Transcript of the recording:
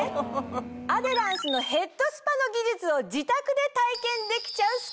アデランスのヘッドスパの技術を自宅で体験できちゃう。